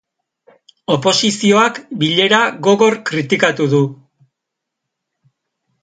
Oposizioak bilera gogor kritikatu du.